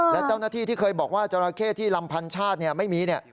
และเจ้าหน้าที่ที่เคยบอกว่าจราเข้ที่ลำพันชาติไม่มีเนี่ย